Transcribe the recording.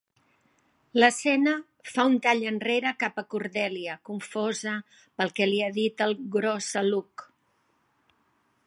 L'escena fa un tall enrere cap a Cordelia, confosa pel que li ha dit el Groosalugg.